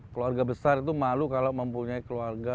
keluarga besar itu malu kalau mempunyai keluarga